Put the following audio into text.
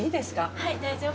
はい大丈夫です。